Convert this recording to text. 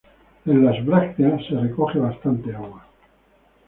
En las brácteas se recoge bastante agua.